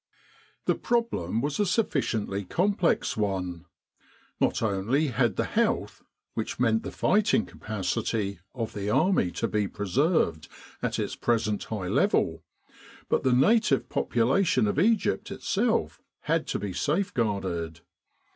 The problem was a sufficiently complex one. Not only had the health which meant the fighting capacity of the Army to be preserved at its present high level, but the native population of Egypt itself had to be safeguarded.